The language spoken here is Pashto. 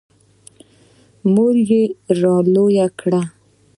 • مور یې را لوی کړ.